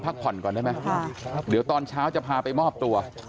พักผ่อนก่อนได้ไหมเดี๋ยวตอนเช้าจะพาไปมอบตัว